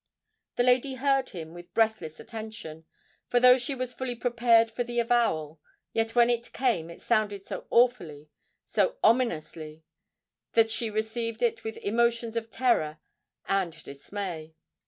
The lady heard him with breathless attention; for though she was fully prepared for the avowal, yet when it came it sounded so awfully—so ominously, that she received it with emotions of terror and dismay.